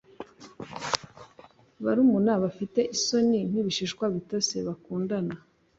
Barunama bafite isoni nkibishishwa bitose Bakundana